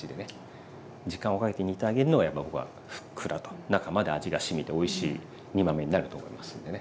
時間をかけて煮てあげるのがやっぱ僕はふっくらと中まで味がしみておいしい煮豆になると思いますんでね。